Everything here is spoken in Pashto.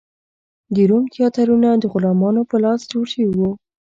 د روم تیاترونه د غلامانو په لاس جوړ شوي و.